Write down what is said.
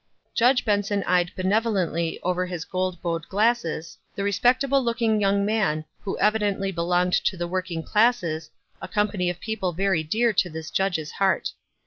Judge Benson eyed benevolently over his gold bowed glasses the respectable looking young man, who evidently belonged to the working classes, a company of people very dear to this judge's heart.